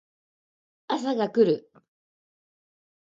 朝が来る